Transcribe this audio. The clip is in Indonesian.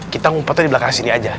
kita ngumpetnya di belakang sini aja